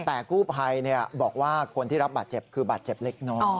แต่กู้ภัยบอกว่าคนที่รับบาดเจ็บคือบาดเจ็บเล็กน้อย